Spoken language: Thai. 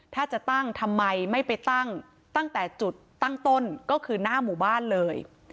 ถ้าจะตั้งทำไมไม่ไปตั้งตั้งแต่จุดตั้งต้นก็คือหน้าหมู่บ้านเลย